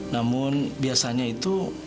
namun biasanya itu